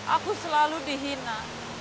aku selalu dihina